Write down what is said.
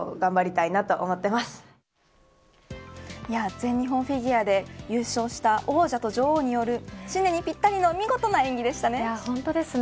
全日本フィギュアで優勝した王者と女王による新年にぴったりの見事な演技でしたね。